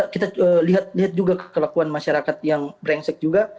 kita lihat juga kelakuan masyarakat yang brengsek juga